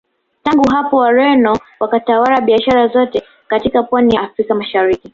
Tangu hapo Wareno wakatawala biashara zote katika Pwani ya Afrika Mashariki